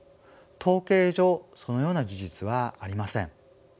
統計上そのような事実はありません。